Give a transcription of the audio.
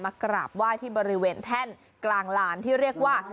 กราบไหว้ที่บริเวณแท่นกลางลานที่เรียกว่า